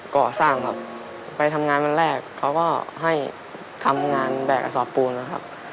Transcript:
ก่อสร้างครับไปทำงานวันแรกเขาก็ให้ทำงานแบกกระสอบปูนนะครับ